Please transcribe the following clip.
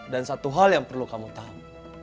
dan satu hal yang perlu kamu tahu